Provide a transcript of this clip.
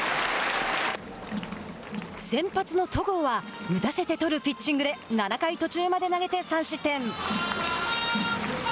先発の戸郷は打たせて取るピッチングで７回途中まで投げて３失点。